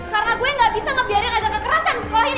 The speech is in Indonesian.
karena gue nggak bisa ngebiarin adegan keras yang disekolahin